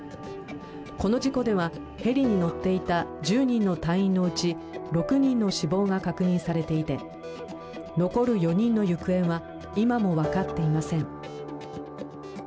この事故ではヘリに乗っていた１０人の隊員のうち６人の死亡が確認されいて残る４人の行方は今も分かっていません。